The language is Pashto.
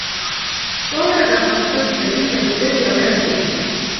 واوره د افغانستان د طبیعي پدیدو یو رنګ دی.